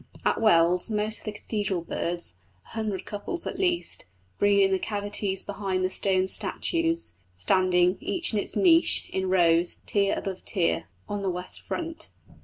At Wells most of the cathedral birds a hundred couples at least breed in the cavities behind the stone statues, standing, each in its niche, in rows, tier above tier, on the west front.